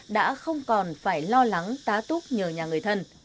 đã không còn phải lo lắng tá túc nhờ nhà người thân